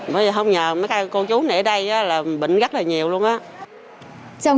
bây giờ không nhờ mấy con chú này ở đây là bệnh rất là nhiều luôn